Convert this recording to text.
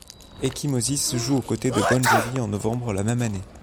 Ekhymosis joue aux côtés de Bon Jovi en novembre la même année.